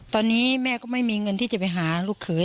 ตอนนี้แม่ก็ไม่มีเงินที่จะไปหาลูกเขย